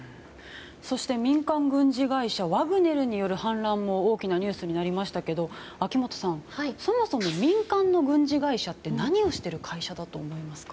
そして、民間軍事会社ワグネルによる反乱も大きなニュースになりましたけど秋元さんそもそも民間の軍事会社って何をしている会社だと思いますか。